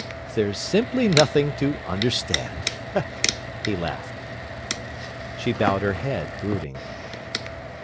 "There's simply nothing to understand," he laughed. She bowed her head, brooding.